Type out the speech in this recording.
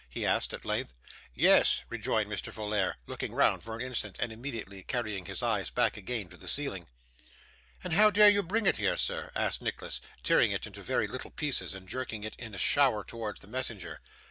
he asked, at length. 'Yes,' rejoined Mr. Folair, looking round for an instant, and immediately carrying his eyes back again to the ceiling. 'And how dare you bring it here, sir?' asked Nicholas, tearing it into very little pieces, and jerking it in a shower towards the messenger.